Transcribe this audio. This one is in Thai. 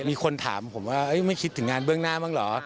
มีคนถามผมว่าไม่คิดถึงงานเบื้องหน้าบ้างเหรอ